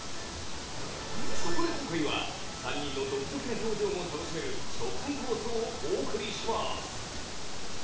そこで今回は３人のドキドキな表情も楽しめる初回放送をお送りします